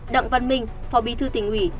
đặng văn minh phó bí thư tỉnh ủy